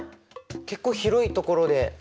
結構広いところで。